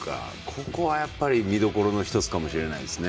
ここは見どころの１つかもしれないですね。